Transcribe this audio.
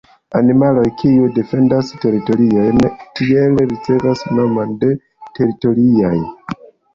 Animaloj kiuj defendas teritoriojn tiele ricevas la nomon de teritoriaj.